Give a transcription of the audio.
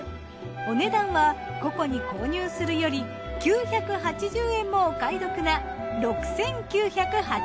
お値段は個々に購入するより９８０円もお買い得な。